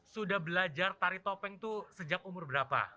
sudah belajar tari topeng itu sejak umur berapa